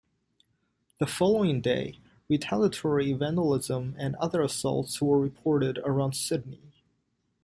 The following day, retaliatory vandalism and other assaults were reported around Sydney.